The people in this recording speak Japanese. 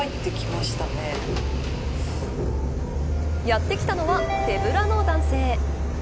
やってきたのは手ぶらの男性。